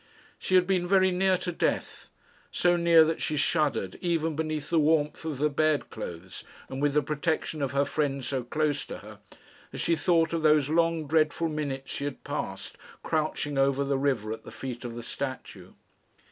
She had been very near to death so near that she shuddered, even beneath the warmth of the bed clothes, and with the protection of her friend so close to her, as she thought of those long dreadful minutes she had passed crouching over the river at the feet of the statue.